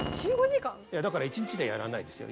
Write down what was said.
いやだから１日でやらないですよ。